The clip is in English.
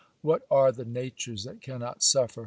What are the natures that cannot suffer?